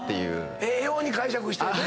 ええように解釈しとるで。